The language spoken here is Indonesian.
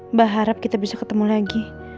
mbak harap kita bisa ketemu lagi